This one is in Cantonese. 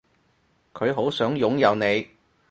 佢好想擁有你